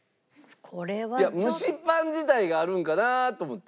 いや蒸しパン自体があるんかな？と思って。